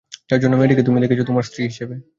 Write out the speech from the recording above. যার জন্যে মেয়েটিকে তুমি দেখেছ তোমার স্ত্রী হিসেবে।